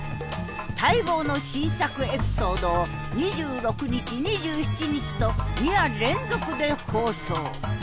待望の新作エピソードを２６日２７日と２夜連続で放送。